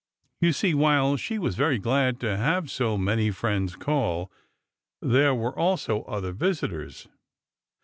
You see, while she was very glad to have so many friends call, there were also other visitors.